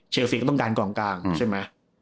เชลสิกก็ต้องการกลางใช่ไหม